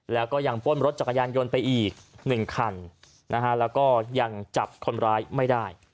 แล้วก็ยังป้นรถจักรยานยนต์ไปอีก๑คันแล้วก็ยังจับคนร้ายไม่ได้